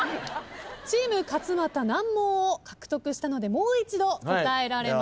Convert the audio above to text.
チーム勝俣難問を獲得したのでもう一度答えられます。